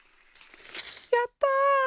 やった！